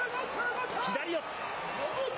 左四つ。